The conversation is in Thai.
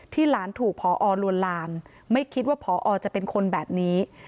หลานถูกพอลวนลามไม่คิดว่าพอจะเป็นคนแบบนี้